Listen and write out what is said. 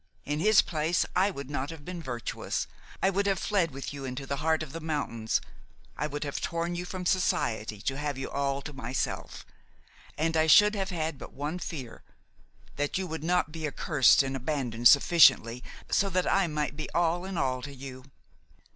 In his place I would not have been virtuous; I would have fled with you into the heart of the mountains; I would have torn you from society to have you all to myself, and I should have had but one fear, that you would not be accursed and abandoned sufficiently so that I might be all in all to you.